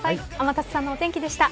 天達さんのお天気でした。